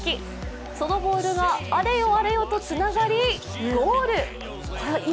そのボールがあれよあれよとつながり、ゴール。